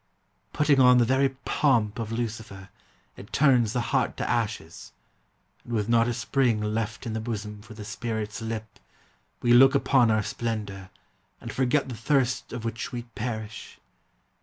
Putting on The very pomp of Lucifer, it turns The heart to ashes, and with not a spring Left in the bosom for the spirit's lip, We look upon our splendor and forget The thirst of which we perish!